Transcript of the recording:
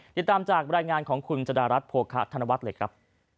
ติดตามจากรายงานของคุณจดารัฐโภคะธนวัฒน์เลยครับ